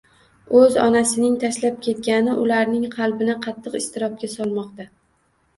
Oʻz onasining tashlab ketgani, ularning qalbini qattiq iztirobga solmoqda